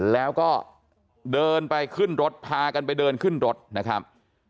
แล้วก็เดินไปขึ้นรถพากันไปเดินขึ้นรถนะครับ